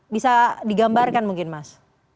bisa digambarkan mungkin mas